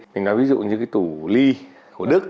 mình nói ví dụ như cái tủ ly của đức